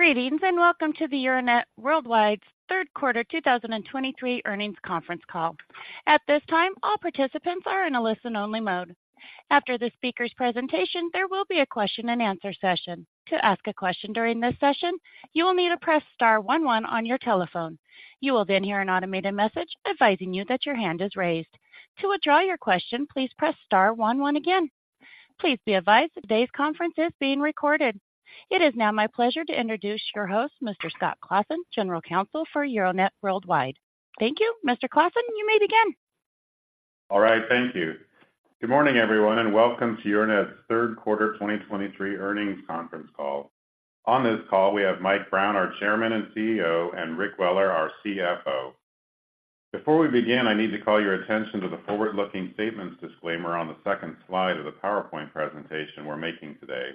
Greetings, and welcome to the Euronet Worldwide's third quarter 2023 earnings conference call. At this time, all participants are in a listen-only mode. After the speaker's presentation, there will be a question-and-answer session. To ask a question during this session, you will need to press star one one on your telephone. You will then hear an automated message advising you that your hand is raised. To withdraw your question, please press star one one again. Please be advised, today's conference is being recorded. It is now my pleasure to introduce your host, Mr. Scott Claassen, General Counsel for Euronet Worldwide. Thank you. Mr. Claassen, you may begin. All right, thank you. Good morning, everyone, and welcome to Euronet's third quarter 2023 earnings conference call. On this call, we have Mike Brown, our Chairman and CEO, and Rick Weller, our CFO. Before we begin, I need to call your attention to the forward-looking statements disclaimer on the second slide of the PowerPoint presentation we're making today.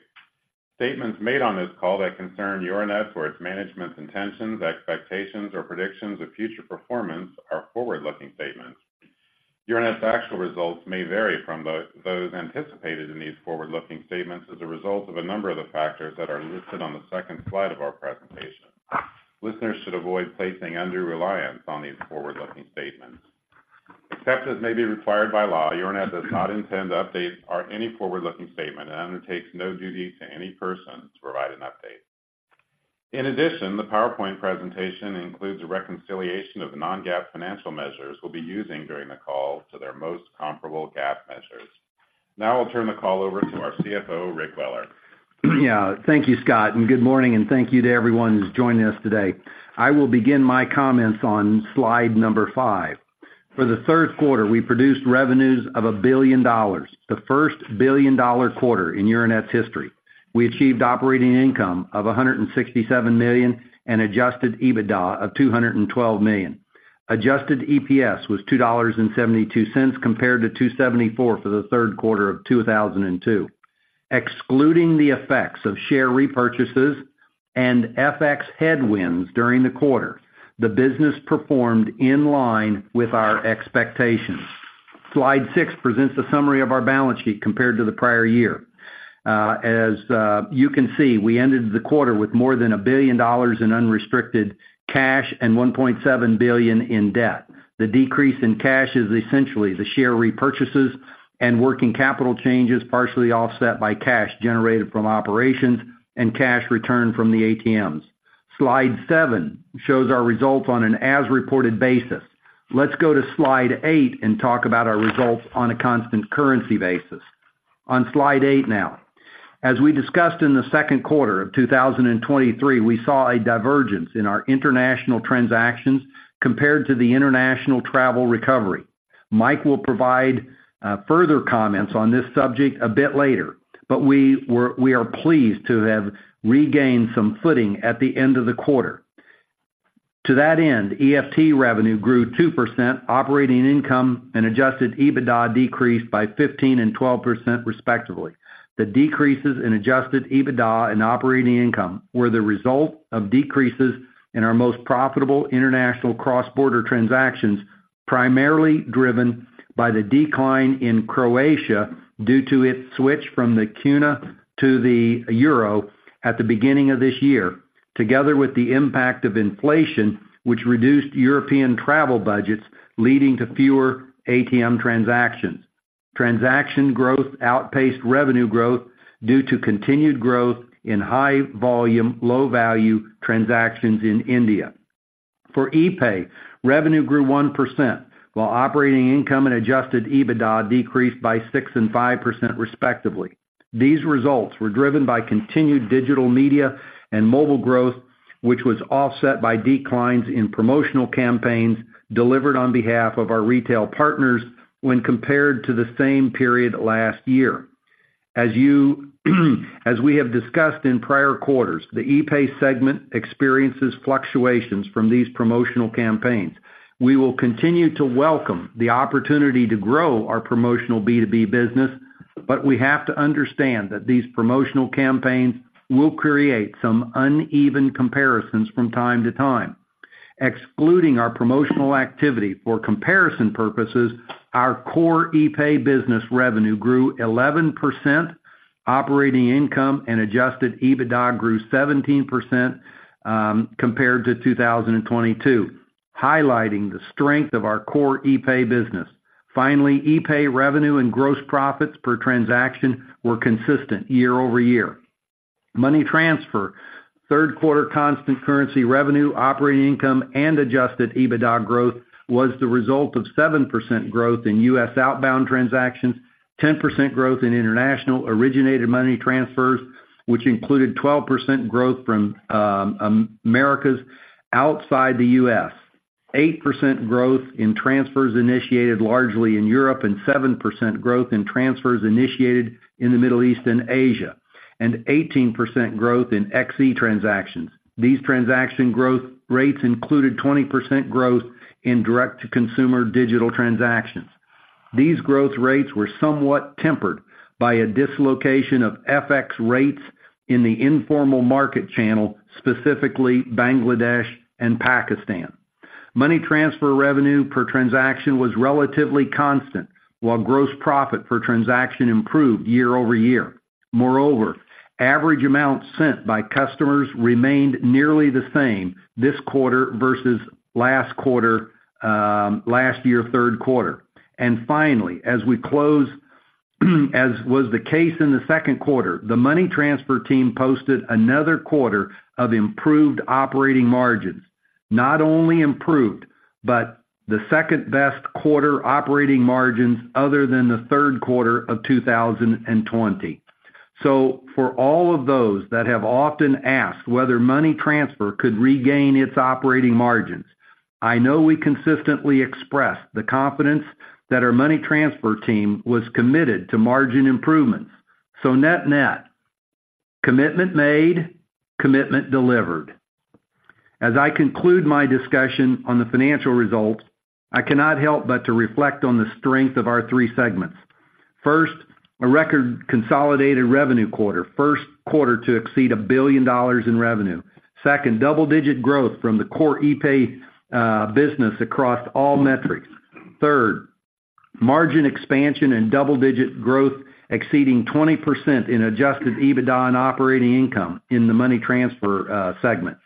Statements made on this call that concern Euronet or its management's intentions, expectations, or predictions of future performance are forward-looking statements. Euronet's actual results may vary from those anticipated in these forward-looking statements as a result of a number of the factors that are listed on the second slide of our presentation. Listeners should avoid placing undue reliance on these forward-looking statements. Except as may be required by law, Euronet does not intend to update or any forward-looking statement and undertakes no duty to any person to provide an update. In addition, the PowerPoint presentation includes a reconciliation of the non-GAAP financial measures we'll be using during the call to their most comparable GAAP measures. Now I'll turn the call over to our CFO, Rick Weller. Yeah, thank you, Scott, and good morning, and thank you to everyone who's joining us today. I will begin my comments on slide five. For the third quarter, we produced revenues of $1 billion, the first billion-dollar quarter in Euronet's history. We achieved operating income of $167 million and adjusted EBITDA of $212 million. Adjusted EPS was $2.72, compared to $2.74 for the third quarter of 2002. Excluding the effects of share repurchases and FX headwinds during the quarter, the business performed in line with our expectations. Slide six presents a summary of our balance sheet compared to the prior year. As you can see, we ended the quarter with more than $1 billion in unrestricted cash and $1.7 billion in debt. The decrease in cash is essentially the share repurchases and working capital changes, partially offset by cash generated from operations and cash returned from the ATMs. Slide seven shows our results on an as-reported basis. Let's go to slide eight and talk about our results on a constant currency basis. On slide eight now. As we discussed in the second quarter of 2023, we saw a divergence in our international transactions compared to the international travel recovery. Mike will provide further comments on this subject a bit later, but we are pleased to have regained some footing at the end of the quarter. To that end, EFT revenue grew 2%, operating income and adjusted EBITDA decreased by 15% and 12%, respectively. The decreases in adjusted EBITDA and operating income were the result of decreases in our most profitable international cross-border transactions, primarily driven by the decline in Croatia due to its switch from the kuna to the euro at the beginning of this year, together with the impact of inflation, which reduced European travel budgets, leading to fewer ATM transactions. Transaction growth outpaced revenue growth due to continued growth in high-volume, low-value transactions in India. For epay, revenue grew 1%, while operating income and adjusted EBITDA decreased by 6% and 5%, respectively. These results were driven by continued digital media and mobile growth, which was offset by declines in promotional campaigns delivered on behalf of our retail partners when compared to the same period last year. As we have discussed in prior quarters, the epay segment experiences fluctuations from these promotional campaigns. We will continue to welcome the opportunity to grow our promotional B2B business, but we have to understand that these promotional campaigns will create some uneven comparisons from time to time. Excluding our promotional activity for comparison purposes, our core epay business revenue grew 11%, operating income and Adjusted EBITDA grew 17%, compared to 2022, highlighting the strength of our core epay business. Finally, epay revenue and gross profits per transaction were consistent year-over-year. Money transfer. Third quarter constant currency revenue, operating income, and Adjusted EBITDA growth was the result of 7% growth in U.S. outbound transactions, 10% growth in international originated money transfers, which included 12% growth from Americas outside the U.S., 8% growth in transfers initiated largely in Europe, and 7% growth in transfers initiated in the Middle East and Asia, and 18% growth in XE transactions. These transaction growth rates included 20% growth in direct-to-consumer digital transactions. These growth rates were somewhat tempered by a dislocation of FX rates in the informal market channel, specifically Bangladesh and Pakistan. Money transfer revenue per transaction was relatively constant, while gross profit per transaction improved year-over-year. Moreover, average amount sent by customers remained nearly the same this quarter versus last quarter, last year, third quarter. Finally, as we close, as was the case in the second quarter, the money transfer team posted another quarter of improved operating margins. Not only improved, but the second-best quarter operating margins other than the third quarter of 2020. So for all of those that have often asked whether money transfer could regain its operating margins, I know we consistently expressed the confidence that our money transfer team was committed to margin improvements. So net-net, commitment made, commitment delivered. As I conclude my discussion on the financial results, I cannot help but to reflect on the strength of our three segments. First, a record consolidated revenue quarter, first quarter to exceed $1 billion in revenue. Second, double-digit growth from the core epay business across all metrics. Third, margin expansion and double-digit growth exceeding 20% in Adjusted EBITDA and operating income in the money transfer segment.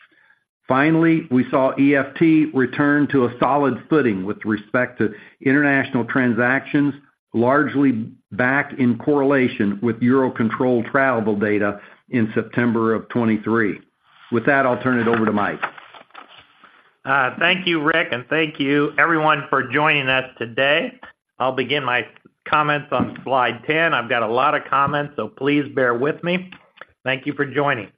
Finally, we saw EFT return to a solid footing with respect to international transactions, largely back in correlation with Eurocontrol travel data in September of 2023. With that, I'll turn it over to Mike. Thank you, Rick, and thank you everyone for joining us today. I'll begin my comments on slide 10. I've got a lot of comments, so please bear with me. Thank you for joining.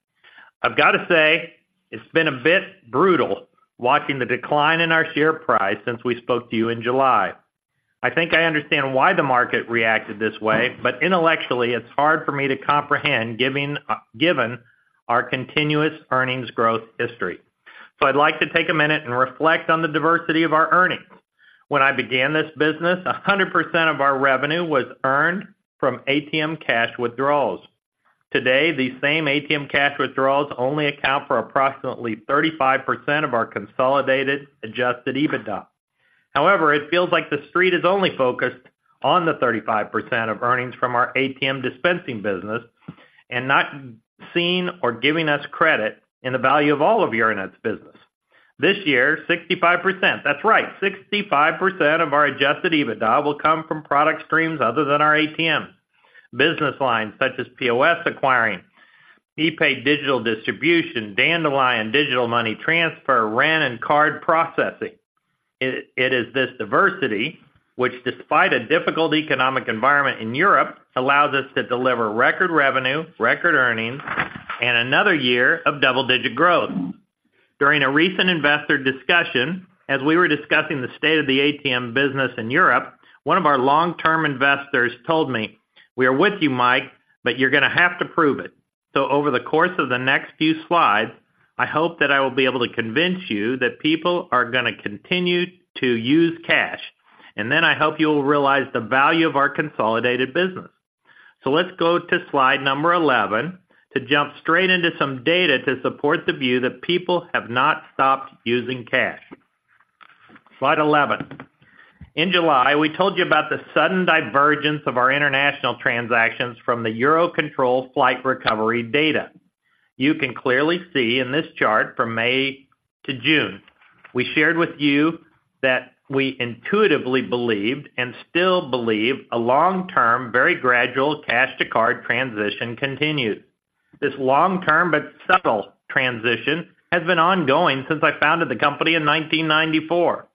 I've got to say, it's been a bit brutal watching the decline in our share price since we spoke to you in July. I think I understand why the market reacted this way, but intellectually, it's hard for me to comprehend, given our continuous earnings growth history. I'd like to take a minute and reflect on the diversity of our earnings. When I began this business, 100% of our revenue was earned from ATM cash withdrawals. Today, these same ATM cash withdrawals only account for approximately 35% of our consolidated Adjusted EBITDA. However, it feels like the street is only focused on the 35% of earnings from our ATM dispensing business, and not seeing or giving us credit in the value of all of Euronet's business. This year, 65%, that's right, 65% of our Adjusted EBITDA will come from product streams other than our ATMs. Business lines, such as POS acquiring, epay digital distribution, Dandelion digital money Transfer, REN and card processing. It is this diversity, which, despite a difficult economic environment in Europe, allows us to deliver record revenue, record earnings, and another year of double-digit growth. During a recent investor discussion, as we were discussing the state of the ATM business in Europe, one of our long-term investors told me, "We are with you, Mike, but you're going to have to prove it." So over the course of the next few slides, I hope that I will be able to convince you that people are gonna continue to use cash, and then I hope you'll realize the value of our consolidated business. So let's go to slide 11 to jump straight into some data to support the view that people have not stopped using cash. Slide 11. In July, we told you about the sudden divergence of our international transactions from the Eurocontrol flight recovery data. You can clearly see in this chart from May to June, we shared with you that we intuitively believed and still believe a long-term, very gradual cash to card transition continues. This long-term but subtle transition has been ongoing since I founded the company in 1994.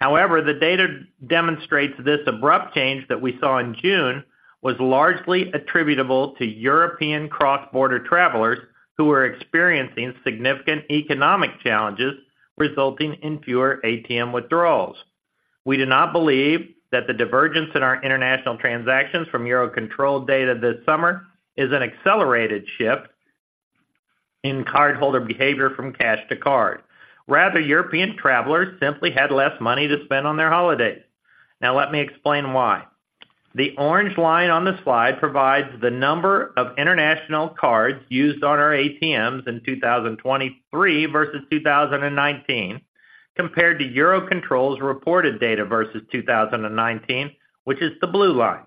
However, the data demonstrates this abrupt change that we saw in June was largely attributable to European cross-border travelers who were experiencing significant economic challenges, resulting in fewer ATM withdrawals. We do not believe that the divergence in our international transactions from Eurocontrol data this summer is an accelerated shift in cardholder behavior from cash to card. Rather, European travelers simply had less money to spend on their holidays. Now, let me explain why. The orange line on the slide provides the number of international cards used on our ATMs in 2023 versus 2019, compared to Eurocontrol's reported data versus 2019, which is the blue line.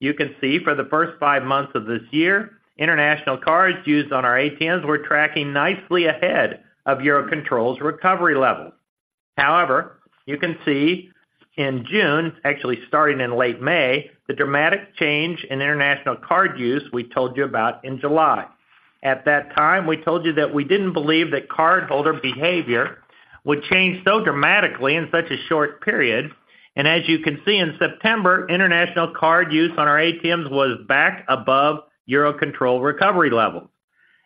You can see for the first five months of this year, international cards used on our ATMs were tracking nicely ahead of Eurocontrol's recovery levels. However, you can see in June, actually starting in late May, the dramatic change in international card use we told you about in July. At that time, we told you that we didn't believe that cardholder behavior would change so dramatically in such a short period, and as you can see, in September, international card use on our ATMs was back above Eurocontrol recovery levels.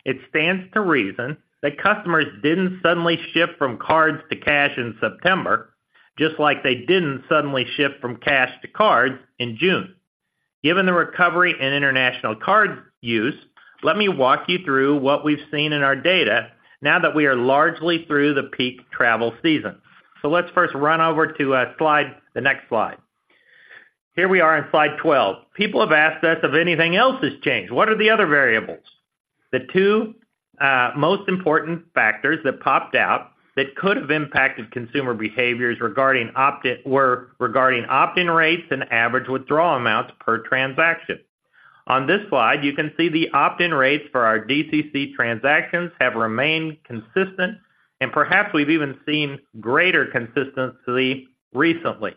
It stands to reason that customers didn't suddenly shift from cards to cash in September, just like they didn't suddenly shift from cash to cards in June. Given the recovery in international card use, let me walk you through what we've seen in our data now that we are largely through the peak travel season. So let's first run over to the next slide. Here we are on slide 12. People have asked us if anything else has changed. What are the other variables? The two most important factors that popped out that could have impacted consumer behaviors regarding opt-in were regarding opt-in rates and average withdrawal amounts per transaction. On this slide, you can see the opt-in rates for our DCC transactions have remained consistent, and perhaps we've even seen greater consistency recently.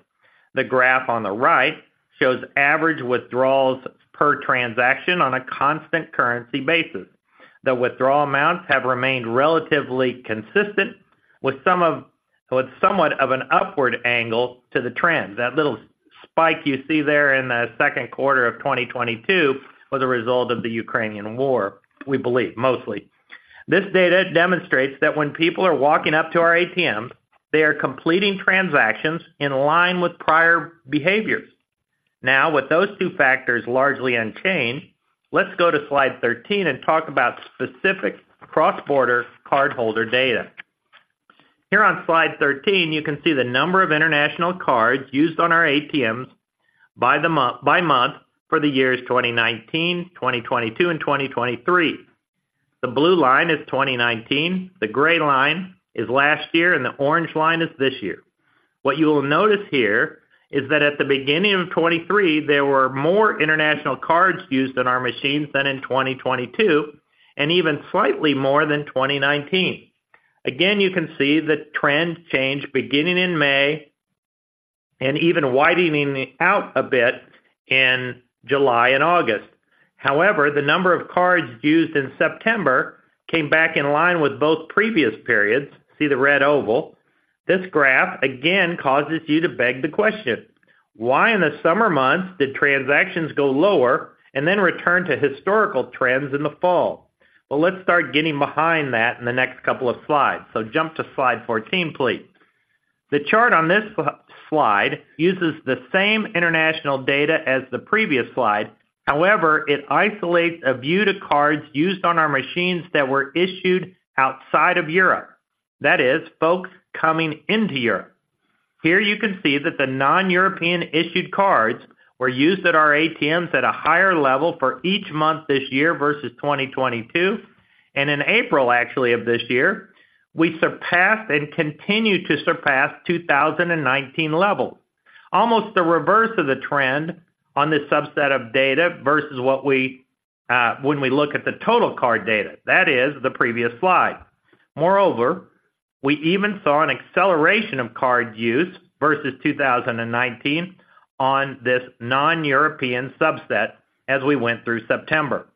The graph on the right shows average withdrawals per transaction on a constant currency basis. The withdrawal amounts have remained relatively consistent, with somewhat of an upward angle to the trend. That little spike you see there in the second quarter of 2022 was a result of the Ukrainian war, we believe, mostly. This data demonstrates that when people are walking up to our ATMs, they are completing transactions in line with prior behaviors. Now, with those two factors largely unchanged, let's go to slide 13 and talk about specific cross-border cardholder data. Here on slide 13, you can see the number of international cards used on our ATMs by the month, by month for the years 2019, 2022, and 2023. The blue line is 2019, the gray line is last year, and the orange line is this year. What you will notice here is that at the beginning of 2023, there were more international cards used in our machines than in 2022, and even slightly more than 2019. Again, you can see the trends change beginning in May and even widening out a bit in July and August. However, the number of cards used in September came back in line with both previous periods. See the red oval. This graph, again, causes you to beg the question: Why in the summer months did transactions go lower and then return to historical trends in the fall? Well, let's start getting behind that in the next couple of slides. So jump to slide 14, please. The chart on this slide uses the same international data as the previous slide. However, it isolates a view to cards used on our machines that were issued outside of Europe. That is, folks coming into Europe. Here you can see that the non-European issued cards were used at our ATMs at a higher level for each month this year versus 2022, and in April, actually, of this year, we surpassed and continued to surpass 2019 levels. Almost the reverse of the trend on this subset of data versus what we, when we look at the total card data, that is the previous slide. Moreover, we even saw an acceleration of card use versus 2019 on this non-European subset as we went through September.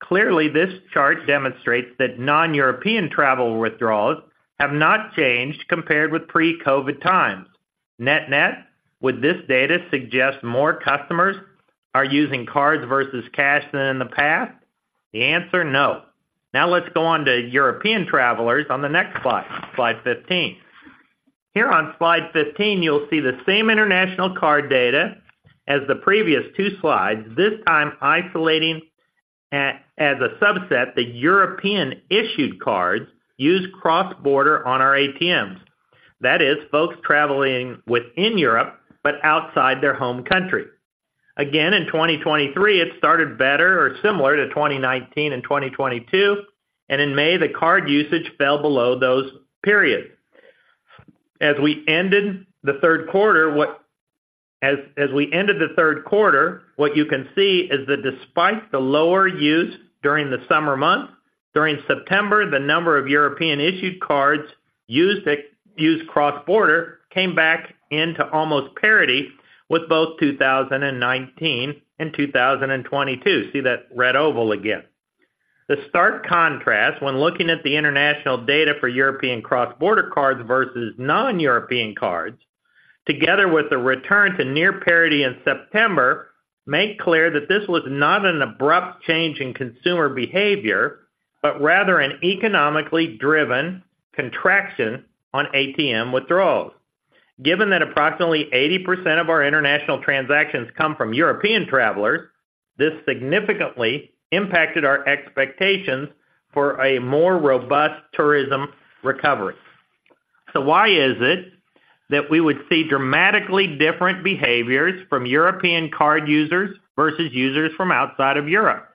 Clearly, this chart demonstrates that non-European travel withdrawals have not changed compared with pre-COVID times. Net-net, would this data suggest more customers are using cards versus cash than in the past? The answer, no. Now, let's go on to European travelers on the next slide, slide 15. Here on slide 15, you'll see the same international card data as the previous two slides, this time isolating as a subset, the European-issued cards used cross-border on our ATMs. That is, folks traveling within Europe but outside their home country. Again, in 2023, it started better or similar to 2019 and 2022, and in May, the card usage fell below those periods. As we ended the third quarter, what you can see is that despite the lower use during the summer months, during September, the number of European-issued cards used cross-border came back into almost parity with both 2019 and 2022. See that red oval again. The stark contrast when looking at the international data for European cross-border cards versus non-European cards, together with the return to near parity in September, makes clear that this was not an abrupt change in consumer behavior, but rather an economically driven contraction on ATM withdrawals. Given that approximately 80% of our international transactions come from European travelers, this significantly impacted our expectations for a more robust tourism recovery. So why is it that we would see dramatically different behaviors from European card users versus users from outside of Europe?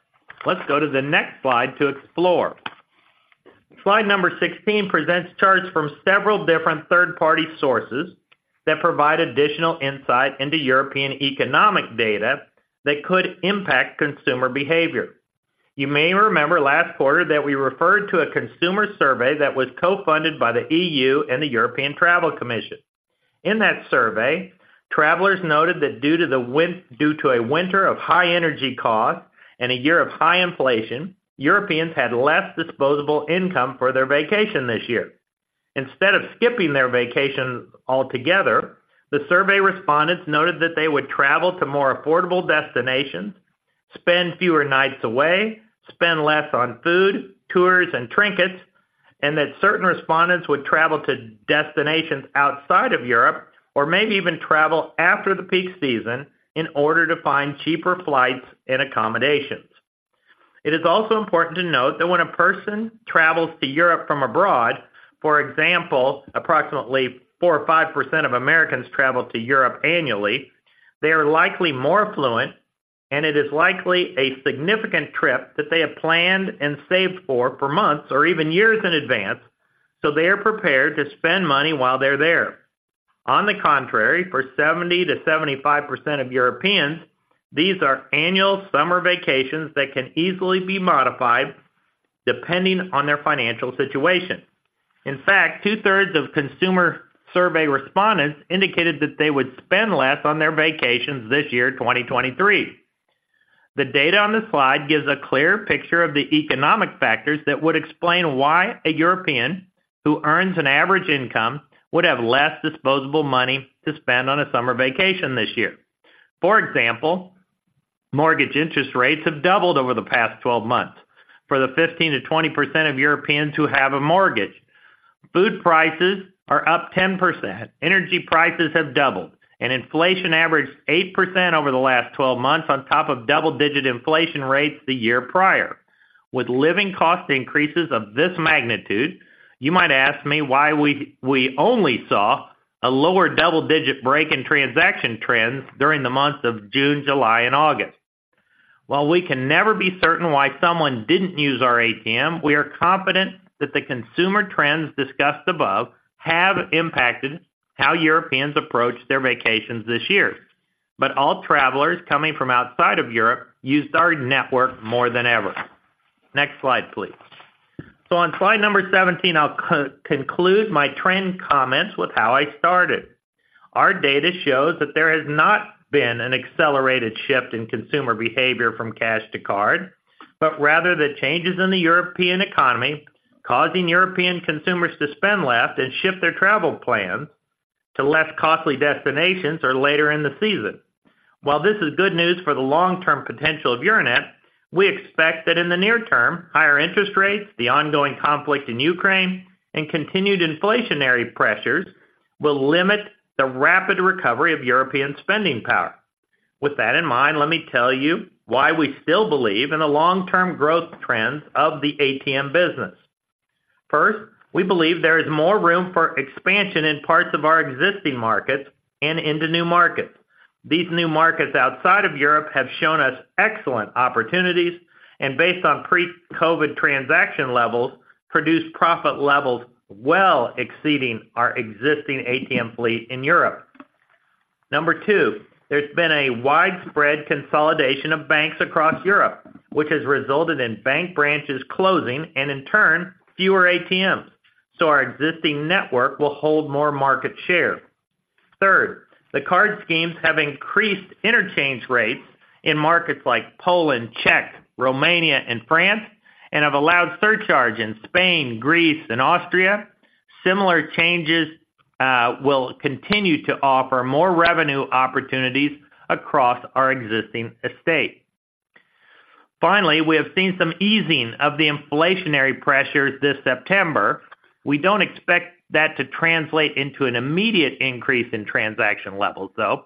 Let's go to the next slide to explore. Slide number 16 presents charts from several different third-party sources that provide additional insight into European economic data that could impact consumer behavior. You may remember last quarter that we referred to a consumer survey that was co-funded by the EU and the European Travel Commission. In that survey, travelers noted that due to a winter of high energy costs and a year of high inflation, Europeans had less disposable income for their vacation this year. Instead of skipping their vacation altogether, the survey respondents noted that they would travel to more affordable destinations, spend fewer nights away, spend less on food, tours, and trinkets, and that certain respondents would travel to destinations outside of Europe or maybe even travel after the peak season in order to find cheaper flights and accommodations... It is also important to note that when a person travels to Europe from abroad, for example, approximately 4%-5% of Americans travel to Europe annually, they are likely more affluent, and it is likely a significant trip that they have planned and saved for, for months or even years in advance, so they are prepared to spend money while they're there. On the contrary, for 70%-75% of Europeans, these are annual summer vacations that can easily be modified depending on their financial situation. In fact, two-thirds of consumer survey respondents indicated that they would spend less on their vacations this year, 2023. The data on this slide gives a clear picture of the economic factors that would explain why a European who earns an average income would have less disposable money to spend on a summer vacation this year. For example, mortgage interest rates have doubled over the past 12 months for the 15%-20% of Europeans who have a mortgage. Food prices are up 10%, energy prices have doubled, and inflation averaged 8% over the last 12 months, on top of double-digit inflation rates the year prior. With living cost increases of this magnitude, you might ask me why we only saw a lower double-digit break in transaction trends during the months of June, July, and August. While we can never be certain why someone didn't use our ATM, we are confident that the consumer trends discussed above have impacted how Europeans approach their vacations this year. But all travelers coming from outside of Europe used our network more than ever. Next slide, please. So on slide number 17, I'll conclude my trend comments with how I started. Our data shows that there has not been an accelerated shift in consumer behavior from cash to card, but rather, the changes in the European economy, causing European consumers to spend less and shift their travel plans to less costly destinations or later in the season. While this is good news for the long-term potential of Euronet, we expect that in the near term, higher interest rates, the ongoing conflict in Ukraine, and continued inflationary pressures will limit the rapid recovery of European spending power. With that in mind, let me tell you why we still believe in the long-term growth trends of the ATM business. First, we believe there is more room for expansion in parts of our existing markets and into new markets. These new markets outside of Europe have shown us excellent opportunities, and based on pre-COVID transaction levels, produce profit levels well exceeding our existing ATM fleet in Europe. Number two, there's been a widespread consolidation of banks across Europe, which has resulted in bank branches closing and, in turn, fewer ATMs, so our existing network will hold more market share. Third, the card schemes have increased interchange rates in markets like Poland, Czech, Romania, and France, and have allowed surcharge in Spain, Greece, and Austria. Similar changes will continue to offer more revenue opportunities across our existing estate. Finally, we have seen some easing of the inflationary pressures this September. We don't expect that to translate into an immediate increase in transaction levels, though.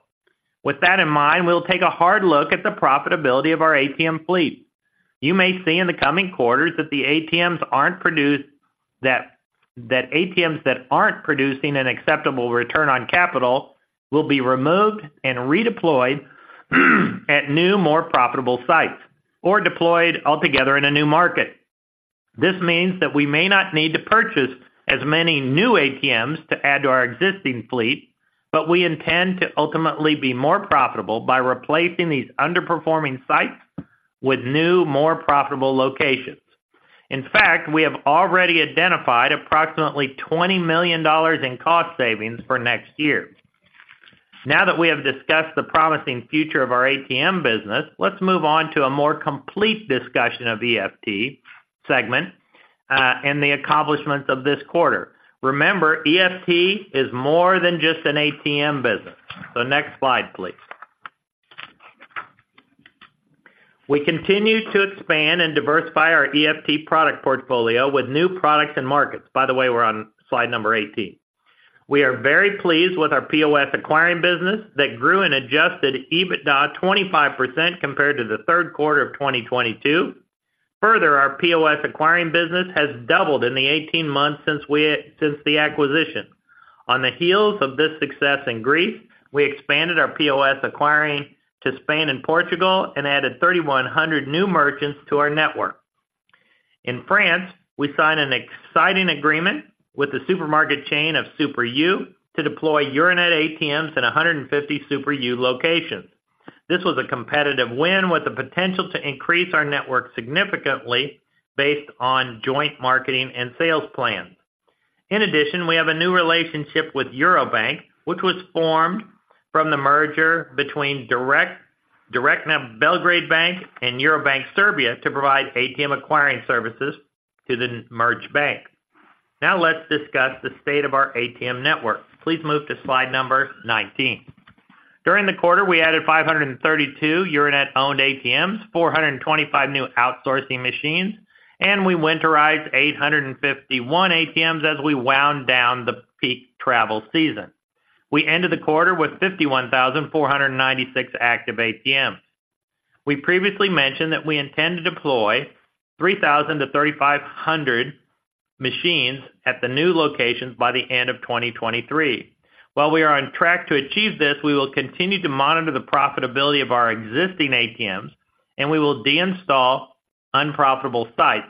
With that in mind, we'll take a hard look at the profitability of our ATM fleet. You may see in the coming quarters that ATMs that aren't producing an acceptable return on capital will be removed and redeployed at new, more profitable sites or deployed altogether in a new market. This means that we may not need to purchase as many new ATMs to add to our existing fleet, but we intend to ultimately be more profitable by replacing these underperforming sites with new, more profitable locations. In fact, we have already identified approximately $20 million in cost savings for next year. Now that we have discussed the promising future of our ATM business, let's move on to a more complete discussion of EFT segment and the accomplishments of this quarter. Remember, EFT is more than just an ATM business. So next slide, please. We continue to expand and diversify our EFT product portfolio with new products and markets. By the way, we're on slide number 18. We are very pleased with our POS acquiring business that grew and adjusted EBITDA 25% compared to the third quarter of 2022. Further, our POS acquiring business has doubled in the 18 months since the acquisition. On the heels of this success in Greece, we expanded our POS acquiring to Spain and Portugal and added 3,100 new merchants to our network. In France, we signed an exciting agreement with the supermarket chain of Super U to deploy Euronet ATMs in 150 Super U locations. This was a competitive win with the potential to increase our network significantly based on joint marketing and sales plans. In addition, we have a new relationship with Eurobank, which was formed from the merger between Direktna Belgrade Bank and Eurobank Serbia, to provide ATM acquiring services to the merged bank. Now, let's discuss the state of our ATM network. Please move to slide number 19. During the quarter, we added 532 Euronet-owned ATMs, 425 new outsourcing machines, and we winterized 851 ATMs as we wound down the peak travel season... We ended the quarter with 51,496 active ATMs. We previously mentioned that we intend to deploy 3,000-3,500 machines at the new locations by the end of 2023. While we are on track to achieve this, we will continue to monitor the profitability of our existing ATMs, and we will deinstall unprofitable sites.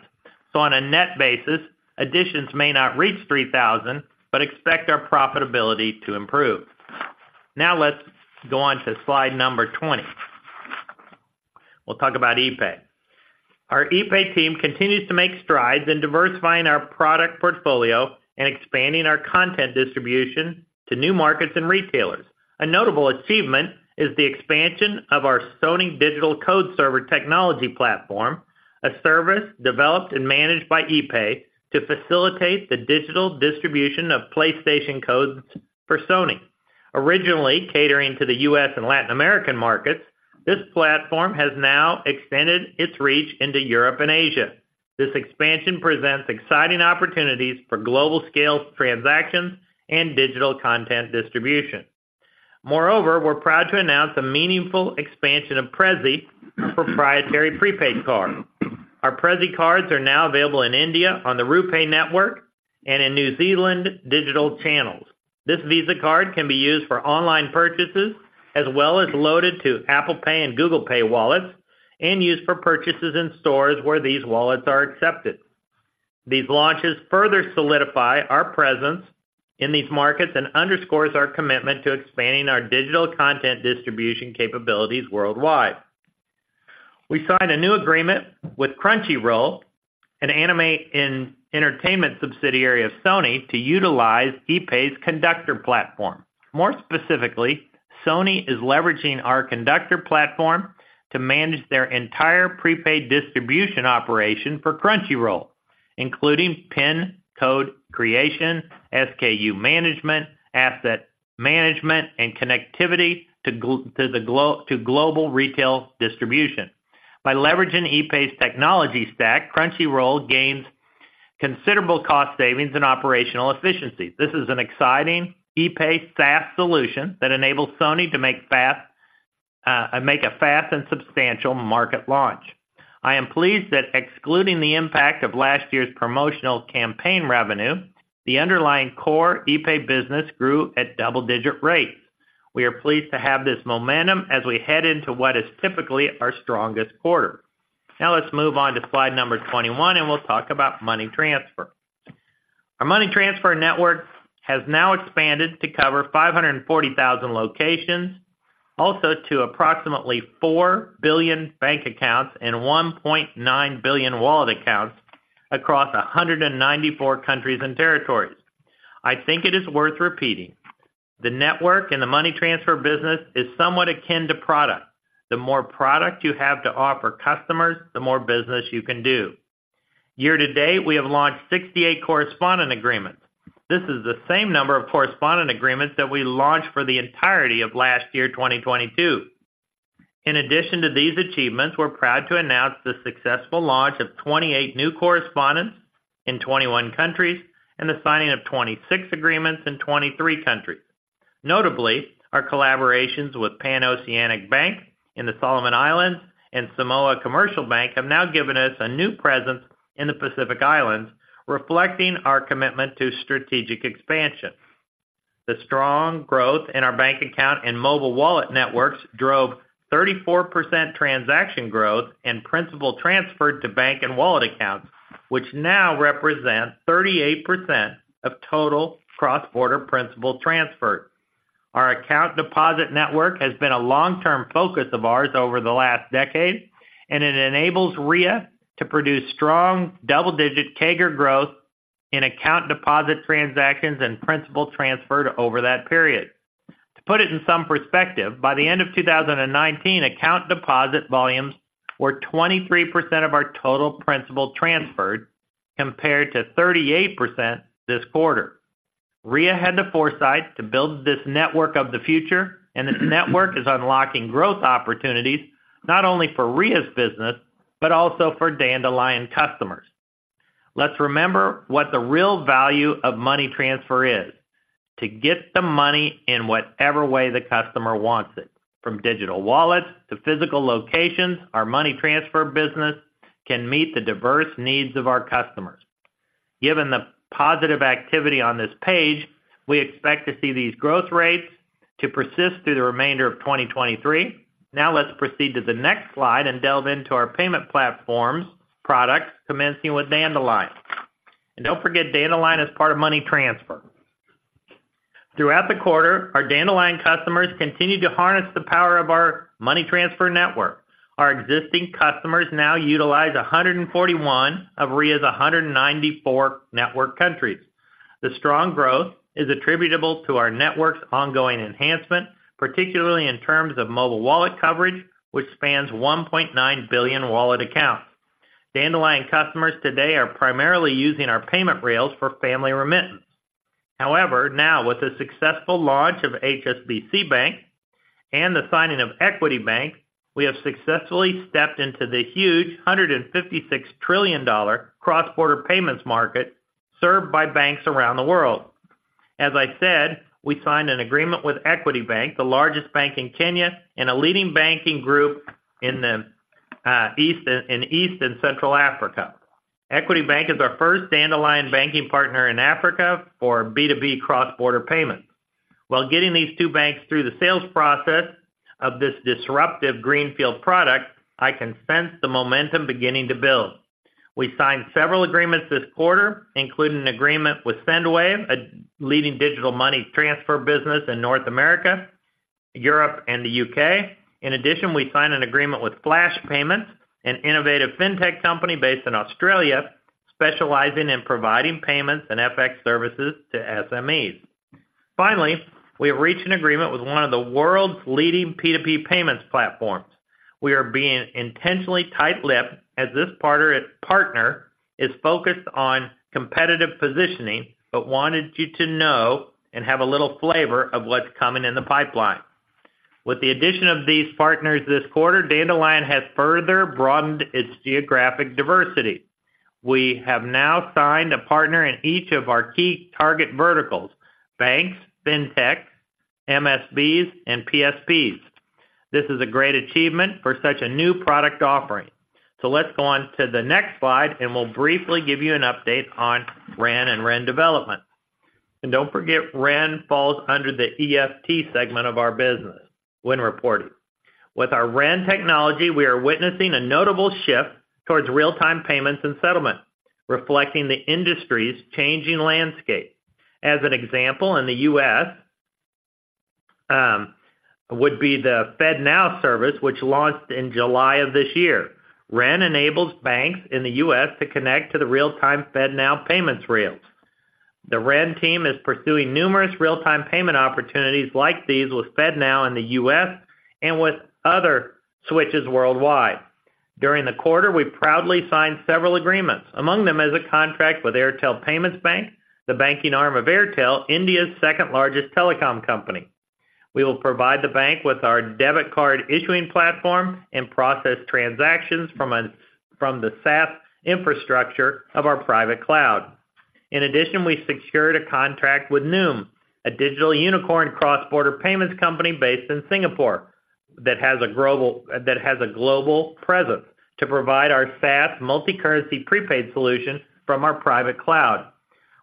On a net basis, additions may not reach 3,000, but expect our profitability to improve. Now, let's go on to slide number 20. We'll talk about epay. Our epay team continues to make strides in diversifying our product portfolio and expanding our content distribution to new markets and retailers. A notable achievement is the expansion of our Sony Digital Code Server technology platform, a service developed and managed by epay, to facilitate the digital distribution of PlayStation codes for Sony. Originally, catering to the U.S. and Latin American markets, this platform has now extended its reach into Europe and Asia. This expansion presents exciting opportunities for global scale transactions and digital content distribution. Moreover, we're proud to announce a meaningful expansion of Prezzy, our proprietary prepaid card. Our Prezzy cards are now available in India on the RuPay network and in New Zealand digital channels. This Visa card can be used for online purchases, as well as loaded to Apple Pay and Google Pay wallets, and used for purchases in stores where these wallets are accepted. These launches further solidify our presence in these markets and underscores our commitment to expanding our digital content distribution capabilities worldwide. We signed a new agreement with Crunchyroll, an anime and entertainment subsidiary of Sony, to utilize epay's Conductor platform. More specifically, Sony is leveraging our Conductor platform to manage their entire prepaid distribution operation for Crunchyroll, including PIN code creation, SKU management, asset management, and connectivity to global retail distribution. By leveraging epay's technology stack, Crunchyroll gains considerable cost savings and operational efficiencies. This is an exciting epay SaaS solution that enables Sony to make fast, make a fast and substantial market launch. I am pleased that excluding the impact of last year's promotional campaign revenue, the underlying core epay business grew at double-digit rates. We are pleased to have this momentum as we head into what is typically our strongest quarter. Now, let's move on to slide number 21, and we'll talk about money transfer. Our money transfer network has now expanded to cover 540,000 locations, also to approximately 4 billion bank accounts and 1.9 billion wallet accounts across 194 countries and territories. I think it is worth repeating. The network and the money transfer business is somewhat akin to product. The more product you have to offer customers, the more business you can do. Year to date, we have launched 68 correspondent agreements. This is the same number of correspondent agreements that we launched for the entirety of last year, 2022. In addition to these achievements, we're proud to announce the successful launch of 28 new correspondents in 21 countries and the signing of 26 agreements in 23 countries. Notably, our collaborations with Pan Oceanic Bank in the Solomon Islands and Samoa Commercial Bank have now given us a new presence in the Pacific Islands, reflecting our commitment to strategic expansion. The strong growth in our bank account and mobile wallet networks drove 34% transaction growth and principal transfer to bank and wallet accounts, which now represent 38% of total cross-border principal transfer. Our account deposit network has been a long-term focus of ours over the last decade, and it enables Ria to produce strong double-digit CAGR growth in account deposit transactions and principal transfer over that period. To put it in some perspective, by the end of 2019, account deposit volumes were 23% of our total principal transferred, compared to 38% this quarter. Ria had the foresight to build this network of the future, and the network is unlocking growth opportunities not only for Ria's business, but also for Dandelion customers. Let's remember what the real value of money transfer is: to get the money in whatever way the customer wants it. From digital wallets to physical locations, our money transfer business can meet the diverse needs of our customers. Given the positive activity on this page, we expect to see these growth rates to persist through the remainder of 2023. Now, let's proceed to the next slide and delve into our payment platforms products, commencing with Dandelion. And don't forget, Dandelion is part of money transfer. Throughout the quarter, our Dandelion customers continued to harness the power of our money transfer network. Our existing customers now utilize 141 of Ria's 194 network countries. The strong growth is attributable to our network's ongoing enhancement, particularly in terms of mobile wallet coverage, which spans 1.9 billion wallet accounts. Dandelion customers today are primarily using our payment rails for family remittance. However, now with the successful launch of HSBC Bank and the signing of Equity Bank, we have successfully stepped into the huge $156 trillion cross-border payments market served by banks around the world. As I said, we signed an agreement with Equity Bank, the largest bank in Kenya and a leading banking group in the East and Central Africa. Equity Bank is our first Dandelion banking partner in Africa for B2B cross-border payments. While getting these two banks through the sales process of this disruptive greenfield product, I can sense the momentum beginning to build. We signed several agreements this quarter, including an agreement with Sendwave, a leading digital money transfer business in North America, Europe, and the U.K. In addition, we signed an agreement with Flash Payments, an innovative fintech company based in Australia, specializing in providing payments and FX services to SMEs. Finally, we have reached an agreement with one of the world's leading P2P payments platforms. We are being intentionally tight-lipped as this partner, partner is focused on competitive positioning, but wanted you to know and have a little flavor of what's coming in the pipeline. With the addition of these partners this quarter, Dandelion has further broadened its geographic diversity. We have now signed a partner in each of our key target verticals: banks, fintech, MSBs, and PSPs. This is a great achievement for such a new product offering. So let's go on to the next slide, and we'll briefly give you an update on REN and REN Development. And don't forget, REN falls under the EFT segment of our business when reported. With our REN technology, we are witnessing a notable shift towards real-time payments and settlement, reflecting the industry's changing landscape. As an example, in the U.S., would be the FedNow service, which launched in July of this year. REN enables banks in the U.S. to connect to the real-time FedNow payments rails. The REN team is pursuing numerous real-time payment opportunities like these with FedNow in the U.S. and with other switches worldwide. During the quarter, we proudly signed several agreements. Among them is a contract with Airtel Payments Bank, the banking arm of Airtel, India's second-largest telecom company. We will provide the bank with our debit card issuing platform and process transactions from the SaaS infrastructure of our private cloud. In addition, we secured a contract with Nium, a digital unicorn cross-border payments company based in Singapore, that has a global presence to provide our SaaS multicurrency prepaid solution from our private cloud.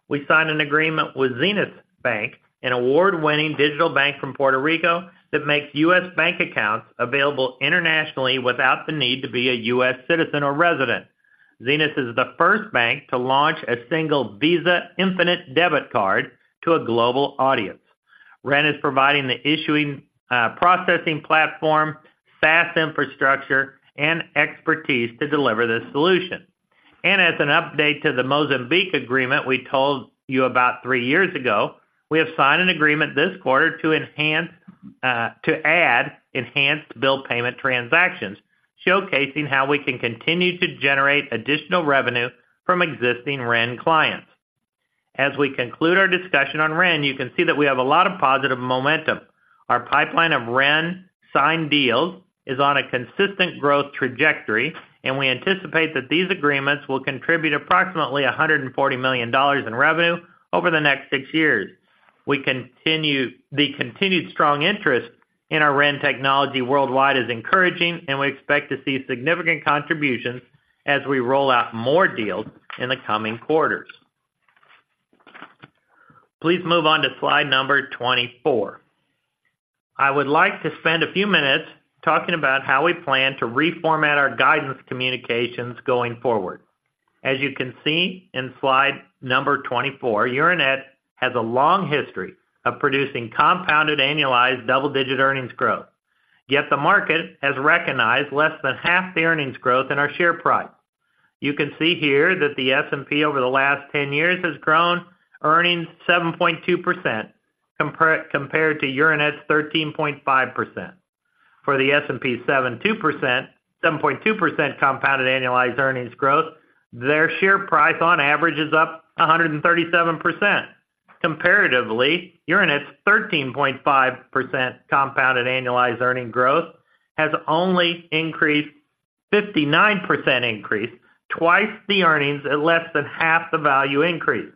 We signed an agreement with Zenus Bank, an award-winning digital bank from Puerto Rico, that makes U.S. bank accounts available internationally without the need to be a U.S. citizen or resident. Zenus is the first bank to launch a single Visa Infinite debit card to a global audience. REN is providing the issuing, processing platform, SaaS infrastructure, and expertise to deliver this solution. As an update to the Mozambique agreement we told you about three years ago, we have signed an agreement this quarter to enhance, to add enhanced bill payment transactions, showcasing how we can continue to generate additional revenue from existing REN clients. As we conclude our discussion on REN, you can see that we have a lot of positive momentum. Our pipeline of REN signed deals is on a consistent growth trajectory, and we anticipate that these agreements will contribute approximately $140 million in revenue over the next six years. The continued strong interest in our REN technology worldwide is encouraging, and we expect to see significant contributions as we roll out more deals in the coming quarters. Please move on to slide number 24. I would like to spend a few minutes talking about how we plan to reformat our guidance communications going forward. As you can see in slide number 24, Euronet has a long history of producing compounded annualized double-digit earnings growth. Yet the market has recognized less than half the earnings growth in our share price. You can see here that the S&P over the last 10 years has grown earnings 7.2%, compared to Euronet's 13.5%. For the S&P's 7.2% compounded annualized earnings growth, their share price on average is up 137%. Comparatively, Euronet's 13.5% compounded annualized earnings growth has only increased 59% increase, twice the earnings and less than half the value increase.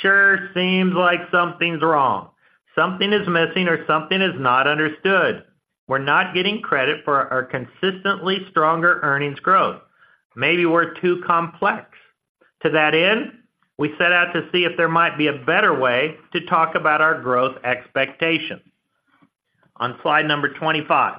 Sure seems like something's wrong, something is missing, or something is not understood. We're not getting credit for our consistently stronger earnings growth. Maybe we're too complex. To that end, we set out to see if there might be a better way to talk about our growth expectations. On slide number 25.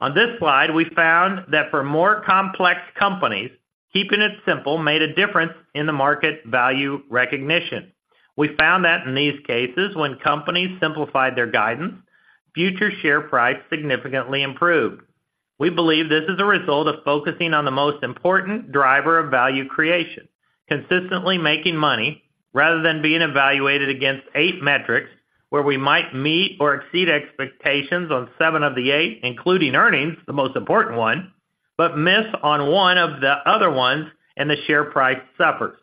On this slide, we found that for more complex companies, keeping it simple made a difference in the market value recognition. We found that in these cases, when companies simplified their guidance, future share price significantly improved. We believe this is a result of focusing on the most important driver of value creation: consistently making money, rather than being evaluated against eight metrics, where we might meet or exceed expectations on seven of the eight, including earnings, the most important one, but miss on one of the other ones, and the share price suffers....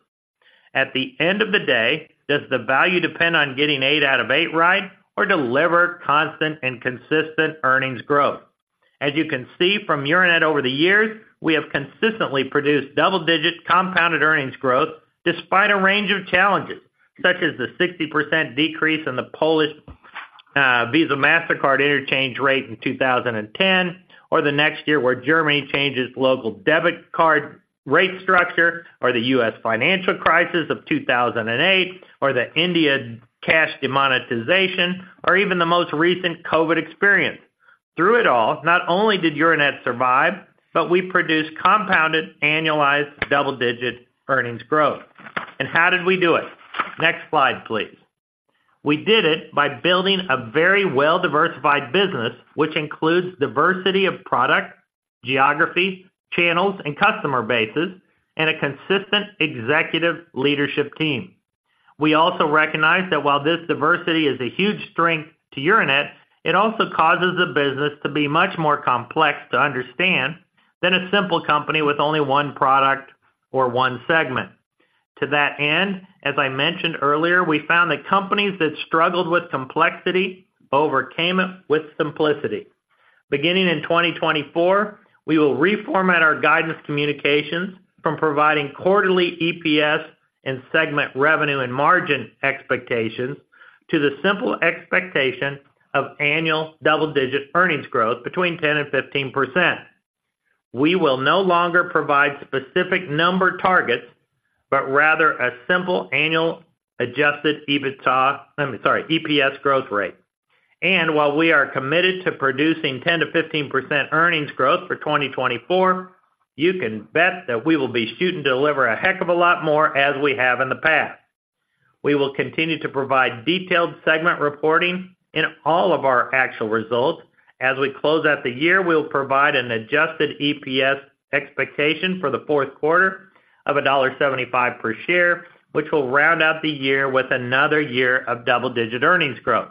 At the end of the day, does the value depend on getting eight out of eight right or deliver constant and consistent earnings growth? As you can see from Euronet over the years, we have consistently produced double-digit compounded earnings growth despite a range of challenges, such as the 60% decrease in the Polish Visa Mastercard interchange rate in 2010, or the next year, where Germany changes local debit card rate structure, or the U.S. financial crisis of 2008, or the India cash demonetization, or even the most recent COVID experience. Through it all, not only did Euronet survive, but we produced compounded annualized double-digit earnings growth. And how did we do it? Next slide, please. We did it by building a very well-diversified business, which includes diversity of product, geography, channels, and customer bases, and a consistent executive leadership team. We also recognize that while this diversity is a huge strength to Euronet, it also causes the business to be much more complex to understand than a simple company with only one product or one segment. To that end, as I mentioned earlier, we found that companies that struggled with complexity overcame it with simplicity. Beginning in 2024, we will reformat our guidance communications from providing quarterly EPS and segment revenue and margin expectations to the simple expectation of annual double-digit earnings growth between 10% and 15%. We will no longer provide specific number targets, but rather a simple annual adjusted EBITDA--I'm sorry, EPS growth rate. And while we are committed to producing 10%-15% earnings growth for 2024, you can bet that we will be shooting to deliver a heck of a lot more, as we have in the past. We will continue to provide detailed segment reporting in all of our actual results. As we close out the year, we'll provide an adjusted EPS expectation for the fourth quarter of $1.75 per share, which will round out the year with another year of double-digit earnings growth.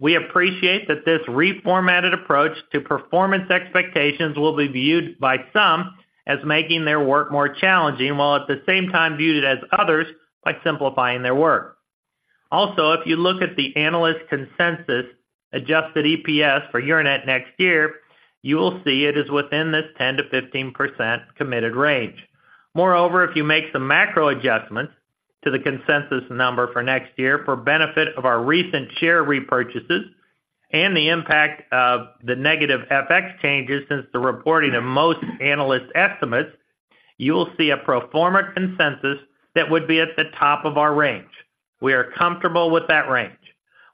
We appreciate that this reformatted approach to performance expectations will be viewed by some as making their work more challenging, while at the same time viewed as others by simplifying their work. Also, if you look at the analyst consensus adjusted EPS for Euronet next year, you will see it is within this 10%-15% committed range. Moreover, if you make some macro adjustments to the consensus number for next year for benefit of our recent share repurchases and the impact of the negative FX changes since the reporting of most analyst estimates, you will see a pro forma consensus that would be at the top of our range. We are comfortable with that range.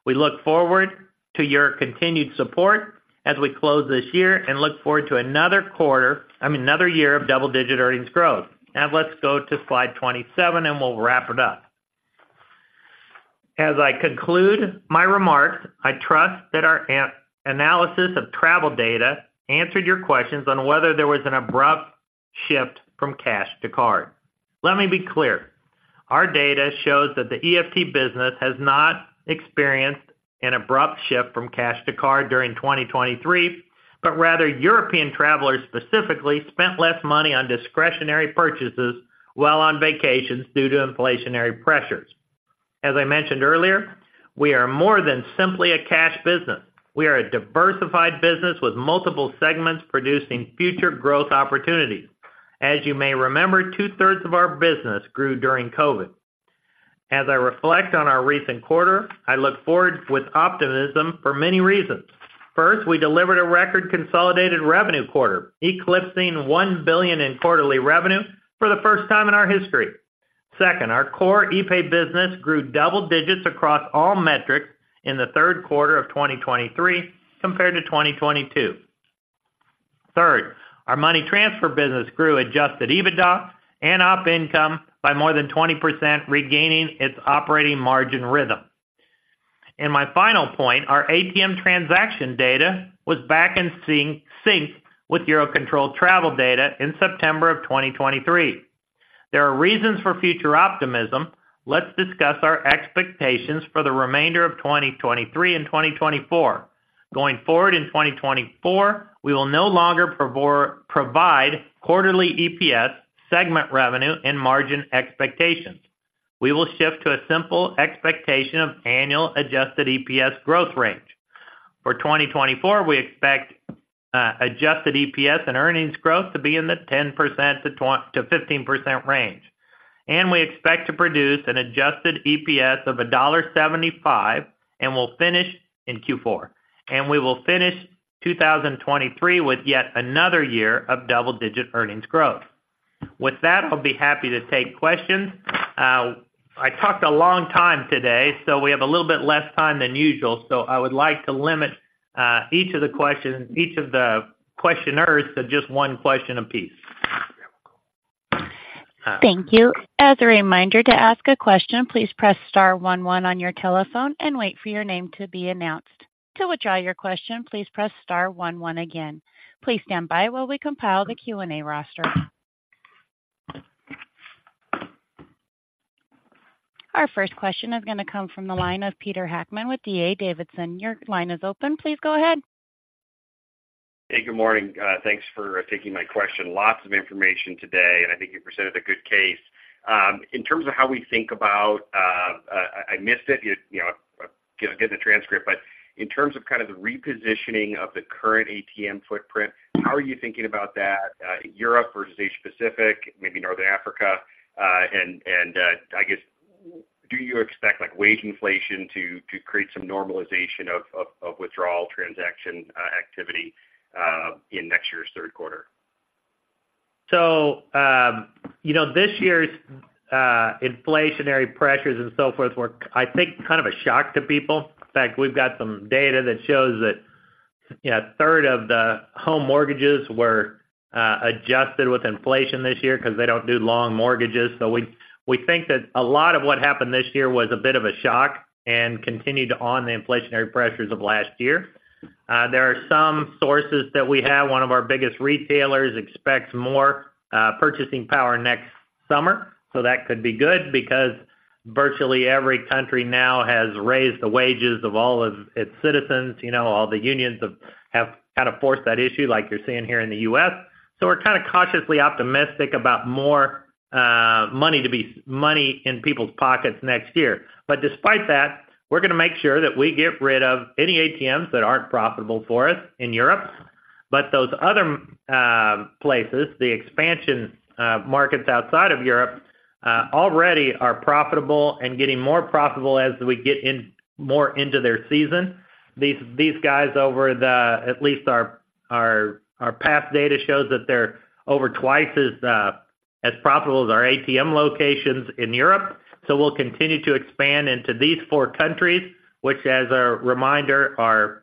We look forward to your continued support as we close this year and look forward to another quarter, I mean, another year of double-digit earnings growth. Now let's go to slide 27, and we'll wrap it up. As I conclude my remarks, I trust that our analysis of travel data answered your questions on whether there was an abrupt shift from cash to card. Let me be clear, our data shows that the EFT business has not experienced an abrupt shift from cash to card during 2023, but rather European travelers specifically spent less money on discretionary purchases while on vacations due to inflationary pressures. As I mentioned earlier, we are more than simply a cash business. We are a diversified business with multiple segments producing future growth opportunities. As you may remember, two-thirds of our business grew during COVID. As I reflect on our recent quarter, I look forward with optimism for many reasons. First, we delivered a record consolidated revenue quarter, eclipsing $1 billion in quarterly revenue for the first time in our history. Second, our core epay business grew double digits across all metrics in the third quarter of 2023 compared to 2022. Third, our money transfer business grew adjusted EBITDA and op income by more than 20%, regaining its operating margin rhythm. My final point, our ATM transaction data was back in sync with Eurocontrol travel data in September 2023. There are reasons for future optimism. Let's discuss our expectations for the remainder of 2023 and 2024. Going forward in 2024, we will no longer provide quarterly EPS, segment revenue, and margin expectations. We will shift to a simple expectation of annual adjusted EPS growth range. For 2024, we expect adjusted EPS and earnings growth to be in the 10%-15% range, and we expect to produce an adjusted EPS of $1.75, and we'll finish in Q4. We will finish 2023 with yet another year of double-digit earnings growth. With that, I'll be happy to take questions. I talked a long time today, so we have a little bit less time than usual, so I would like to limit, each of the questions, each of the questioners to just one question apiece. Thank you. As a reminder, to ask a question, please press star one one on your telephone and wait for your name to be announced. To withdraw your question, please press star one one again. Please stand by while we compile the Q&A roster. Our first question is going to come from the line of Peter Heckmann with D.A. Davidson. Your line is open. Please go ahead. Hey, good morning. Thanks for taking my question. Lots of information today, and I think you presented a good case. In terms of how we think about, I missed it, you know, get the transcript, but in terms of kind of the repositioning of the current ATM footprint, how are you thinking about that, Europe versus Asia-Pacific, maybe Northern Africa? And, I guess, do you expect, like, wage inflation to create some normalization of withdrawal transaction activity in next year's third quarter? So, you know, this year's inflationary pressures and so forth were, I think, kind of a shock to people. In fact, we've got some data that shows that, you know, a third of the home mortgages were adjusted with inflation this year because they don't do long mortgages. So we think that a lot of what happened this year was a bit of a shock and continued on the inflationary pressures of last year. There are some sources that we have. One of our biggest retailers expects more purchasing power next summer, so that could be good because virtually every country now has raised the wages of all of its citizens. You know, all the unions have kind of forced that issue, like you're seeing here in the U.S. So we're kind of cautiously optimistic about more money in people's pockets next year. But despite that, we're going to make sure that we get rid of any ATMs that aren't profitable for us in Europe. But those other places, the expansion markets outside of Europe, already are profitable and getting more profitable as we get more into their season. These guys over the—at least our past data shows that they're over twice as profitable as our ATM locations in Europe. So we'll continue to expand into these four countries, which, as a reminder, are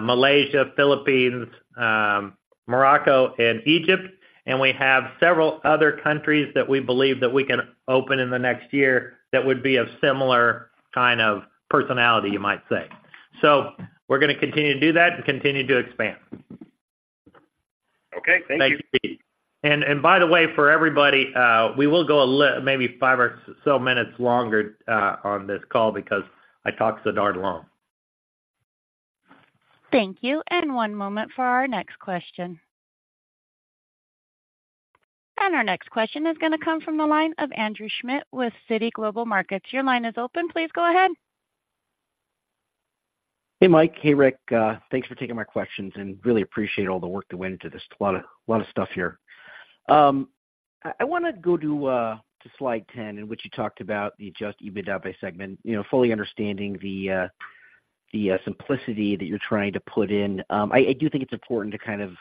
Malaysia, Philippines, Morocco, and Egypt. And we have several other countries that we believe that we can open in the next year that would be of similar kind of personality, you might say. So we're going to continue to do that and continue to expand. Okay, thank you. Thank you. And, by the way, for everybody, we will go maybe five or so minutes longer on this call because I talk so darn long. Thank you, and one moment for our next question. Our next question is going to come from the line of Andrew Schmidt with Citi Global Markets. Your line is open. Please go ahead. Hey, Mike. Hey, Rick. Thanks for taking my questions and really appreciate all the work that went into this. A lot of stuff here. I want to go to slide 10, in which you talked about the Adjusted EBITDA by segment. You know, fully understanding the simplicity that you're trying to put in, I do think it's important to kind of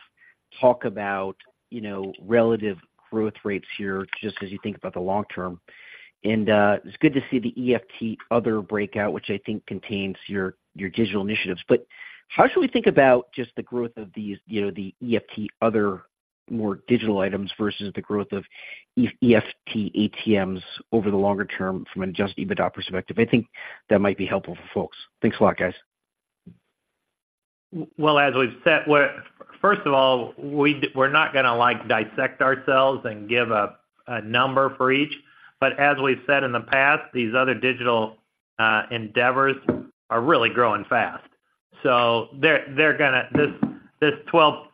talk about, you know, relative growth rates here, just as you think about the long term. And it's good to see the EFT other breakout, which I think contains your digital initiatives. But how should we think about just the growth of these, you know, the EFT other more digital items versus the growth of EFT ATMs over the longer term from an Adjusted EBITDA perspective? I think that might be helpful for folks. Thanks a lot, guys. Well, as we've said, we're first of all, we're not going to, like, dissect ourselves and give a number for each. But as we've said in the past, these other digital endeavors are really growing fast. So they're going to... This, this 12,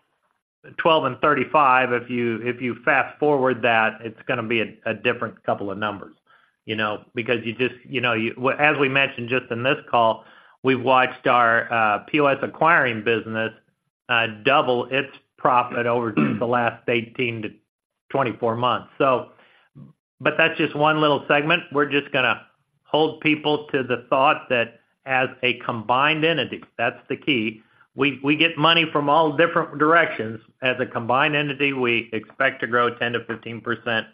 12 and 35, if you fast-forward that, it's going to be a different couple of numbers, you know, because you just, you know, well, as we mentioned just in this call, we've watched our POS acquiring business double its profit over just the last 18 to 24 months. So, but that's just one little segment. We're just going to hold people to the thought that as a combined entity, that's the key, we get money from all different directions. As a combined entity, we expect to grow 10%-15%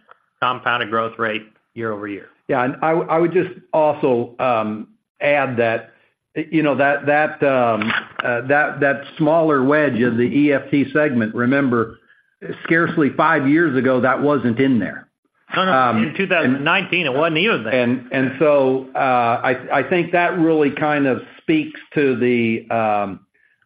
compounded growth rate year-over-year. Yeah, and I would just also add that, you know, that smaller wedge of the EFT segment. Remember, scarcely five years ago, that wasn't in there. No, no, in 2019, it wasn't even there. I think that really kind of speaks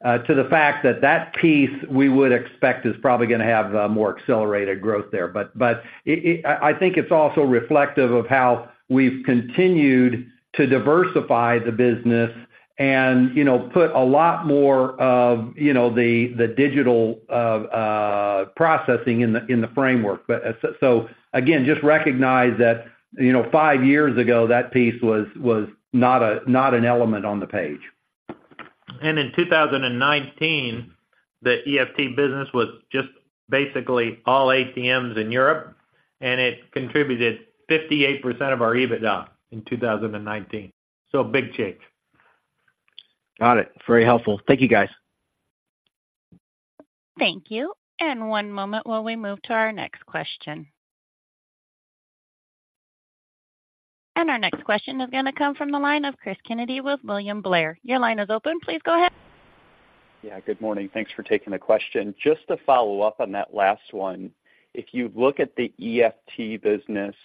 to the fact that that piece we would expect is probably going to have more accelerated growth there. I think it's also reflective of how we've continued to diversify the business and, you know, put a lot more of, you know, the digital processing in the framework. So again, just recognize that, you know, five years ago, that piece was not an element on the page. In 2019, the EFT business was just basically all ATMs in Europe, and it contributed 58% of our EBITDA in 2019, so big change. Got it. Very helpful. Thank you, guys. Thank you, and one moment while we move to our next question. Our next question is going to come from the line of Cris Kennedy with William Blair. Your line is open. Please go ahead. Yeah, good morning. Thanks for taking the question. Just to follow up on that last one, if you look at the EFT business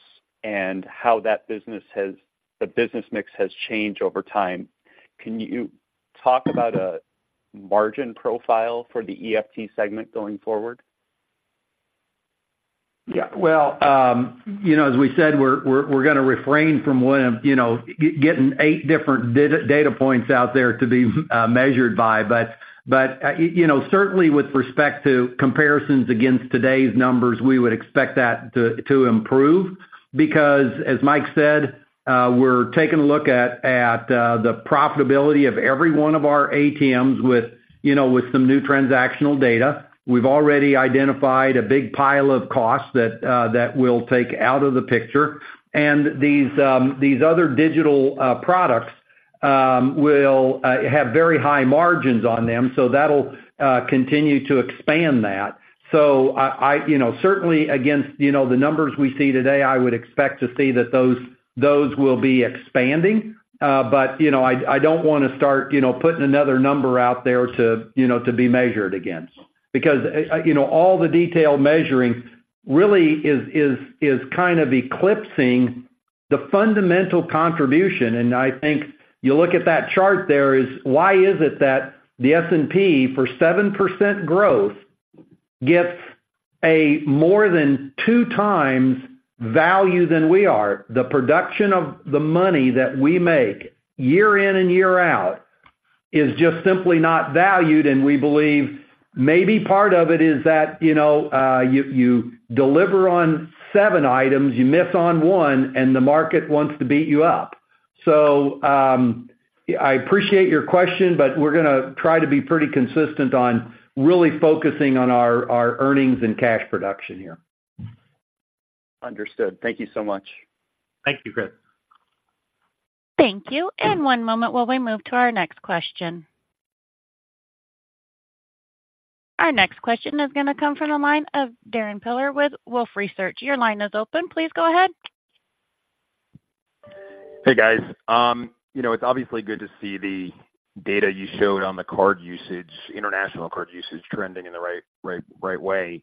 and how the business mix has changed over time, can you talk about a margin profile for the EFT segment going forward? ... Yeah, well, you know, as we said, we're gonna refrain from, when, you know, getting eight different data points out there to be measured by. But, you know, certainly with respect to comparisons against today's numbers, we would expect that to improve. Because, as Mike said, we're taking a look at the profitability of every one of our ATMs with, you know, with some new transactional data. We've already identified a big pile of costs that we'll take out of the picture. And these other digital products will have very high margins on them, so that'll continue to expand that. So I, you know, certainly against, you know, the numbers we see today, I would expect to see that those will be expanding. But, you know, I don't wanna start, you know, putting another number out there to, you know, to be measured against. Because, you know, all the detailed measuring really is kind of eclipsing the fundamental contribution. And I think you look at that chart there is, why is it that the S&P, for 7% growth, gets a more than 2 times value than we are? The production of the money that we make year in and year out is just simply not valued, and we believe maybe part of it is that, you know, you deliver on seven items, you miss on one, and the market wants to beat you up. So, I appreciate your question, but we're gonna try to be pretty consistent on really focusing on our earnings and cash production here. Understood. Thank you so much. Thank you, Cris. Thank you. One moment while we move to our next question. Our next question is gonna come from the line of Darrin Peller with Wolfe Research. Your line is open. Please go ahead. Hey, guys. You know, it's obviously good to see the data you showed on the card usage, international card usage trending in the right way.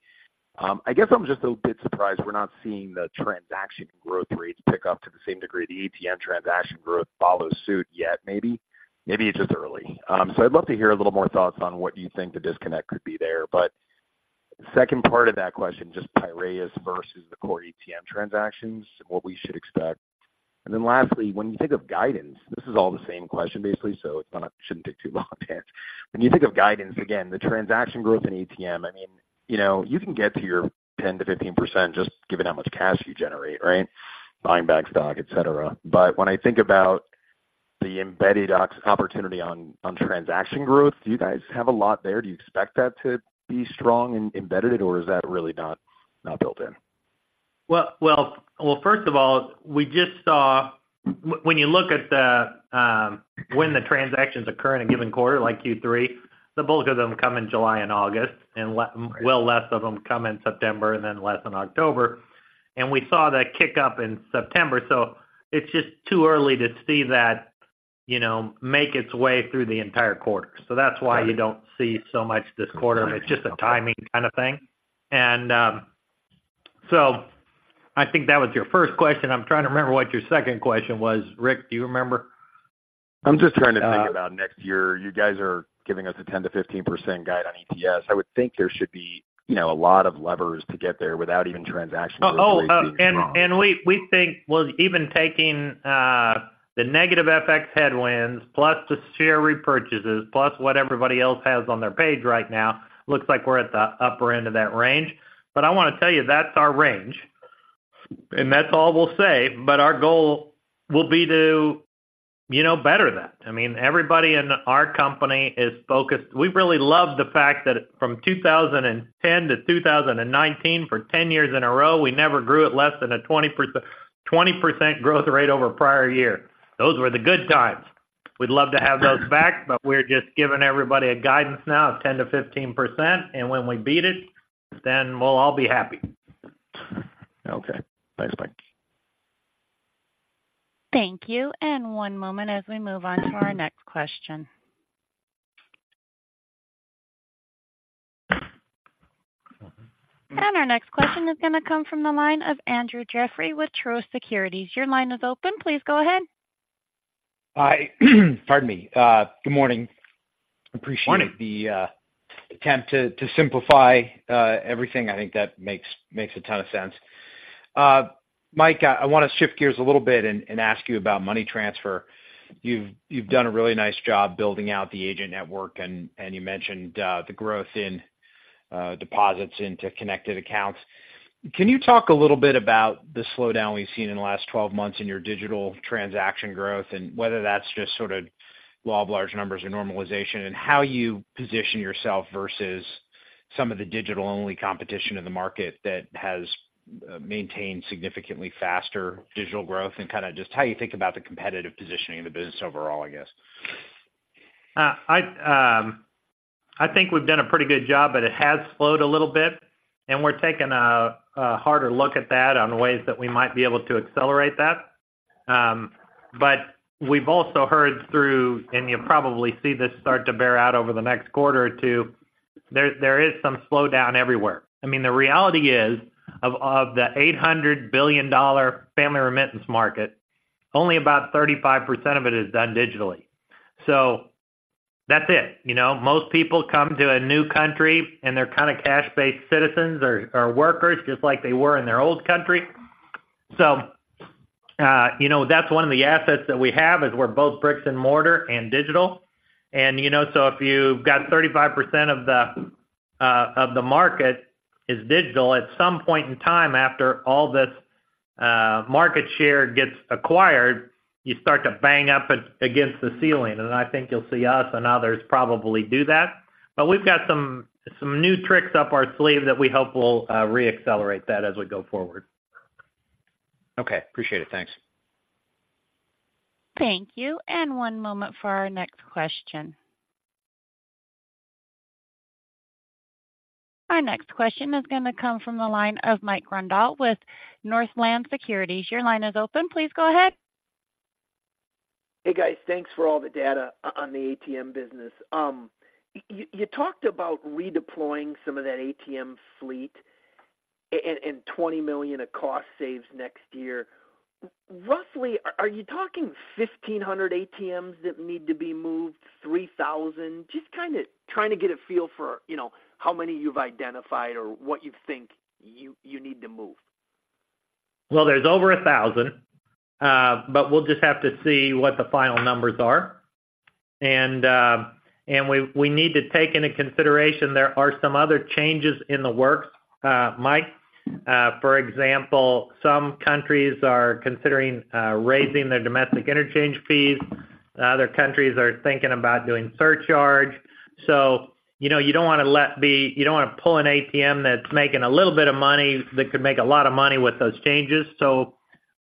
I guess I'm just a bit surprised we're not seeing the transaction growth rates pick up to the same degree the ATM transaction growth follow suit yet, maybe? Maybe it's just early. So I'd love to hear a little more thoughts on what you think the disconnect could be there. But the second part of that question, just Piraeus versus the core ATM transactions and what we should expect. And then lastly, when you think of guidance, this is all the same question, basically, so it's gonna, shouldn't take too long to answer. When you think of guidance, again, the transaction growth in ATM, I mean, you know, you can get to your 10%-15% just given how much cash you generate, right? Buying back stock, et cetera. But when I think about the embedded DCC opportunity on, on transaction growth, do you guys have a lot there? Do you expect that to be strong and embedded, or is that really not, not built in? Well, well, well, first of all, we just saw when you look at the, when the transactions occur in a given quarter, like Q3, the bulk of them come in July and August, and well, less of them come in September and then less in October. And we saw that kick up in September, so it's just too early to see that, you know, make its way through the entire quarter. So that's why you don't see so much this quarter. It's just a timing kind of thing. And, so I think that was your first question. I'm trying to remember what your second question was. Rick, do you remember? I'm just trying to think about next year. You guys are giving us a 10%-15% guide on EPS. I would think there should be, you know, a lot of levers to get there without even transaction- and we think, well, even taking the negative FX headwinds, plus the share repurchases, plus what everybody else has on their page right now, looks like we're at the upper end of that range. But I wanna tell you, that's our range, and that's all we'll say. But our goal will be to, you know, better that. I mean, everybody in our company is focused. We really love the fact that from 2010 to 2019, for 10 years in a row, we never grew at less than a 20%, 20% growth rate over prior year. Those were the good times. We'd love to have those back, but we're just giving everybody a guidance now of 10%-15%, and when we beat it, then we'll all be happy. Okay. Thanks, Mike. Thank you, and one moment as we move on to our next question. Our next question is gonna come from the line of Andrew Jeffrey with Truist Securities. Your line is open. Please go ahead. Hi. Pardon me. Good morning. Morning. Appreciate the attempt to simplify everything. I think that makes a ton of sense. Mike, I wanna shift gears a little bit and ask you about money transfer. You've done a really nice job building out the agent network, and you mentioned the growth in deposits into connected accounts. Can you talk a little bit about the slowdown we've seen in the last 12 months in your digital transaction growth, and whether that's just sort of law of large numbers or normalization, and how you position yourself versus some of the digital-only competition in the market that has maintained significantly faster digital growth, and kind of just how you think about the competitive positioning of the business overall, I guess? I think we've done a pretty good job, but it has slowed a little bit, and we're taking a harder look at that on ways that we might be able to accelerate that. But we've also heard through, and you'll probably see this start to bear out over the next quarter or two, there is some slowdown everywhere. I mean, the reality is, the $800 billion family remittance market, only about 35% of it is done digitally. That's it. You know, most people come to a new country, and they're kind of cash-based citizens or workers, just like they were in their old country. You know, that's one of the assets that we have, is we're both bricks and mortar and digital. You know, so if you've got 35% of the market is digital, at some point in time, after all this market share gets acquired, you start to bang up against the ceiling. And I think you'll see us and others probably do that. But we've got some new tricks up our sleeve that we hope will reaccelerate that as we go forward. Okay, appreciate it. Thanks. Thank you, and one moment for our next question. Our next question is going to come from the line of Mike Grondahl with Northland Securities. Your line is open. Please go ahead. Hey, guys. Thanks for all the data on the ATM business. You talked about redeploying some of that ATM fleet and $20 million of cost saves next year. Roughly, are you talking 1,500 ATMs that need to be moved, 3,000? Just kind of trying to get a feel for, you know, how many you've identified or what you think you need to move. Well, there's over 1,000, but we'll just have to see what the final numbers are. And we need to take into consideration there are some other changes in the works, Mike. For example, some countries are considering raising their domestic interchange fees. Other countries are thinking about doing surcharge. So you know, you don't want to let the-- you don't want to pull an ATM that's making a little bit of money, that could make a lot of money with those changes.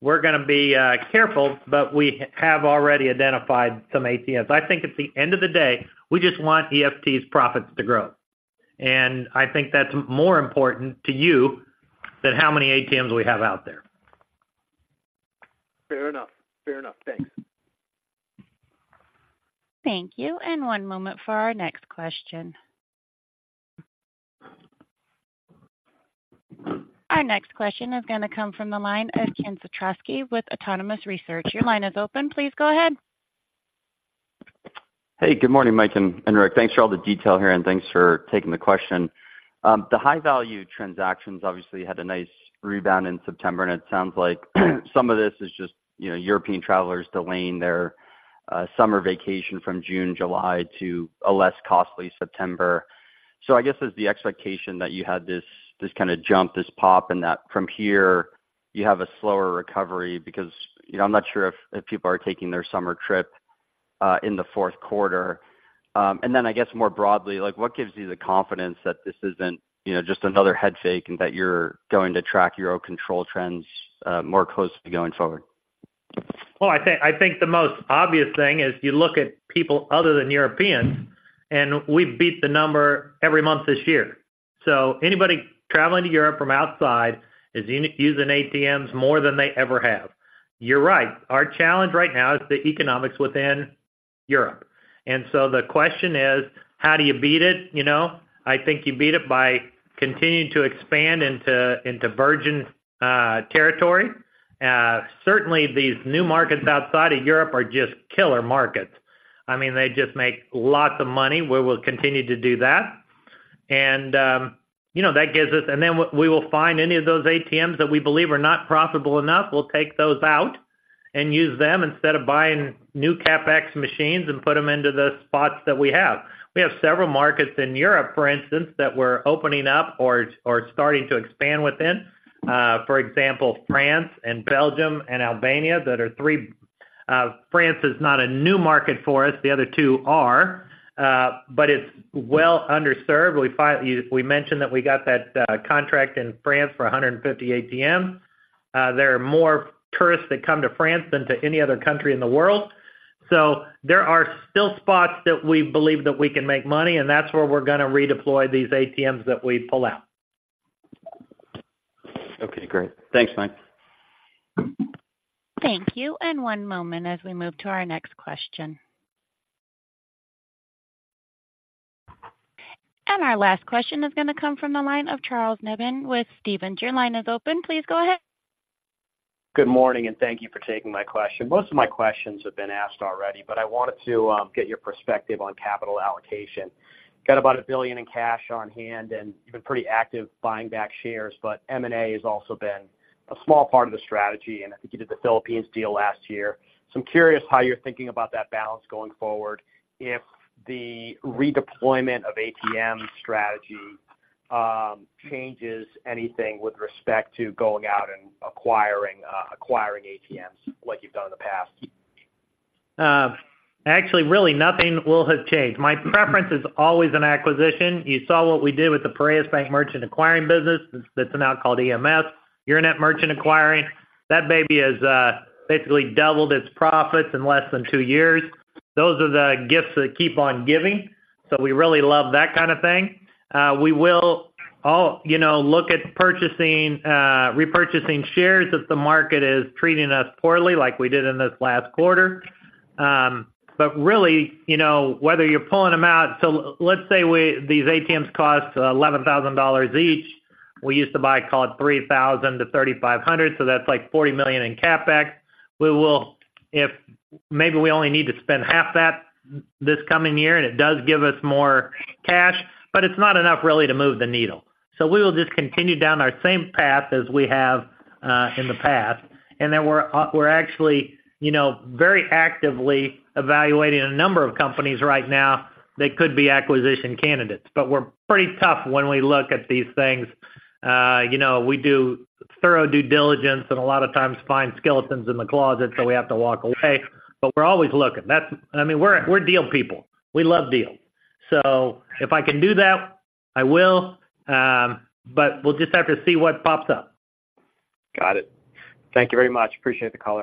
So we're going to be careful, but we have already identified some ATMs. I think at the end of the day, we just want EFT's profits to grow, and I think that's more important to you than how many ATMs we have out there. Fair enough. Fair enough. Thanks. Thank you, and one moment for our next question. Our next question is going to come from the line of Ken Suchoski with Autonomous Research. Your line is open. Please go ahead. Hey, good morning, Mike and Rick. Thanks for all the detail here, and thanks for taking the question. The high-value transactions obviously had a nice rebound in September, and it sounds like, some of this is just, you know, European travelers delaying their summer vacation from June, July to a less costly September. So I guess, is the expectation that you had this, this kind of jump, this pop, and that from here, you have a slower recovery because, you know, I'm not sure if, if people are taking their summer trip in the fourth quarter. And then I guess more broadly, like, what gives you the confidence that this isn't, you know, just another head fake, and that you're going to track your own control trends more closely going forward? Well, I think, I think the most obvious thing is you look at people other than Europeans, and we've beat the number every month this year. So anybody traveling to Europe from outside is using ATMs more than they ever have. You're right. Our challenge right now is the economics within Europe. And so the question is: How do you beat it, you know? I think you beat it by continuing to expand into virgin territory. Certainly, these new markets outside of Europe are just killer markets. I mean, they just make lots of money. We will continue to do that. You know, that gives us. And then we will find any of those ATMs that we believe are not profitable enough, we'll take those out and use them instead of buying new CapEx machines and put them into the spots that we have. We have several markets in Europe, for instance, that we're opening up or starting to expand within. For example, France and Belgium and Albania, that are three. France is not a new market for us, the other two are, but it's well underserved. We mentioned that we got that contract in France for 150 ATMs. There are more tourists that come to France than to any other country in the world. So there are still spots that we believe that we can make money, and that's where we're going to redeploy these ATMs that we pull out. Okay, great. Thanks, Mike. Thank you, and one moment as we move to our next question. Our last question is going to come from the line of Charles Nabhan with Stephens. Your line is open. Please go ahead. Good morning, and thank you for taking my question. Most of my questions have been asked already, but I wanted to get your perspective on capital allocation. Got about $1 billion in cash on hand, and you've been pretty active buying back shares, but M&A has also been a small part of the strategy, and I think you did the Philippines deal last year. So I'm curious how you're thinking about that balance going forward, if the redeployment of ATM strategy changes anything with respect to going out and acquiring ATMs like you've done in the past? Actually, really nothing will have changed. My preference is always an acquisition. You saw what we did with the Piraeus Bank merchant acquiring business. It's now called EMS, Euronet merchant acquiring. That baby has basically doubled its profits in less than two years. Those are the gifts that keep on giving, so we really love that kind of thing. We will, you know, look at purchasing, repurchasing shares if the market is treating us poorly, like we did in this last quarter. But really, you know, whether you're pulling them out. So let's say these ATMs cost $11,000 each. We used to buy, call it 3,000-3,500, so that's like $40 million in CapEx. We will. If maybe we only need to spend half that this coming year, and it does give us more cash, but it's not enough really to move the needle. So we will just continue down our same path as we have in the past. And then we're actually, you know, very actively evaluating a number of companies right now that could be acquisition candidates. But we're pretty tough when we look at these things. You know, we do thorough due diligence, and a lot of times find skeletons in the closet, so we have to walk away. But we're always looking. That's. I mean, we're deal people. We love deals. So if I can do that, I will. But we'll just have to see what pops up. Got it. Thank you very much. Appreciate the call.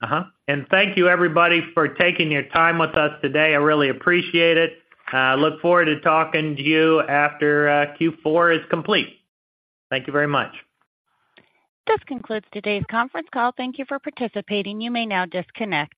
Uh-huh. Thank you, everybody, for taking your time with us today. I really appreciate it. Look forward to talking to you after Q4 is complete. Thank you very much. This concludes today's conference call. Thank you for participating. You may now disconnect.